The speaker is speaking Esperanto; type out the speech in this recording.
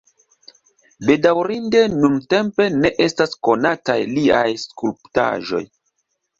Bedaŭrinde nuntempe ne estas konataj liaj skulptaĵoj.